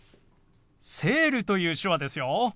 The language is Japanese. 「セール」という手話ですよ。